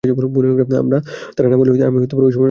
তারা না এলে আমি মনে করি ওই সময় খেলোয়াড়দের বিশ্রাম দরকার।